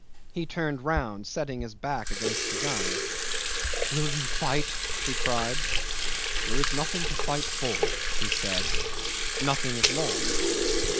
He turned round, setting his back against the gun. "Will you fight?" she cried. "There is nothing to fight for," he said; "nothing is lost."